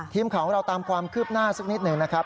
ทีมข่าวของเราตามความคืบหน้าสักนิดหนึ่งนะครับ